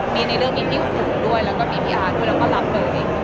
มีในเรื่องนี้พี่ฝูกด้วยแล้วก็มีพี่อาร์ดคุณเราก็รับเลย